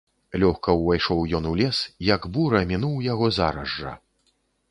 Лёгка ўвайшоў ён у лес, як бура, мінуў яго зараз жа.